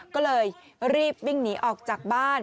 ก็เลยรีบวิ่งหนีออกจากบ้าน